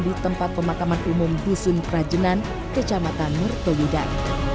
di tempat pemakaman umum busun prajenan kecamatan mertowudan